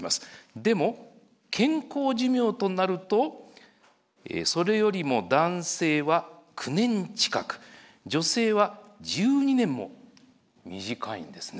でも健康寿命となるとそれよりも男性は９年近く女性は１２年も短いんですね。